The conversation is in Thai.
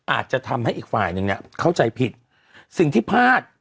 อาจจะทำให้อีกฝ่ายหนึ่งเนี่ยเข้าใจผิดสิ่งที่พลาด